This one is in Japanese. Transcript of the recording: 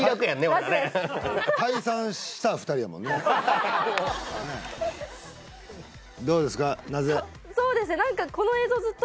俺らね楽ですどうですかなぜ？